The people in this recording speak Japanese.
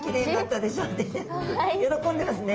喜んでますね。